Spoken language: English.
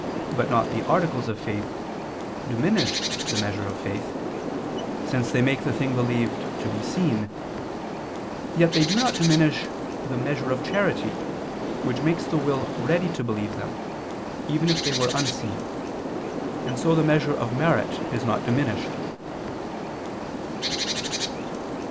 ], but not of the articles of faith, diminish the measure of faith, since they make the thing believed to be seen, yet they do not diminish the measure of charity, which makes the will ready to believe them, even if they were unseen; and so the measure of merit is not diminished.